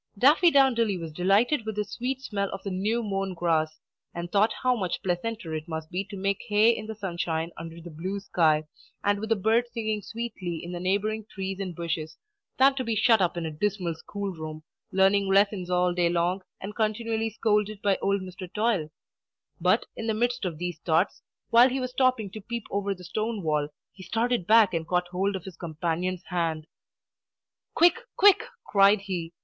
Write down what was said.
Daffydowndilly was delighted with the sweet smell of the new mown grass, and thought how much pleasanter it must be to make hay in the sunshine under the blue sky, and with the birds singing sweetly in the neighbouring trees and bushes, than to be shut up in a dismal school room, learning lessons all day long, and continually scolded by old Mr. Toil. But, in the midst of these thoughts, while he was stopping to peep over the stone wall, he started back and caught hold of his companion's hand. "Quick, quick!" cried he.